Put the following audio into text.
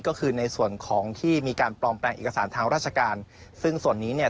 ก็คือในส่วนของที่มีการปลอมแปลงเอกสารทางราชการซึ่งส่วนนี้เนี่ย